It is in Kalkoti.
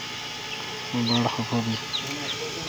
مہ باڑ خفہ بیل۔